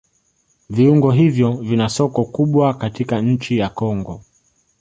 Viuongo hivyo vina soko kubwa katika nchi ya Kongo